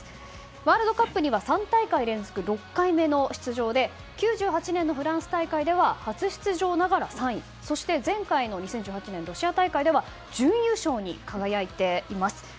ワールドカップには３大会連続６回目の出場で９８年のフランス大会では初出場ながら３位そして、前回の２０１８年ロシア大会では準優勝に輝いています。